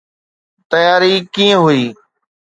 تياري ڪيئن هئي؟